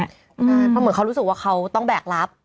เพราะเหมือนเขารู้สึกว่าเขาต้องแบกรับ